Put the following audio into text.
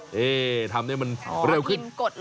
ดีทำได้มันเร็วขึ้น